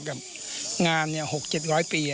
กับงาน๖๗๐๐ปี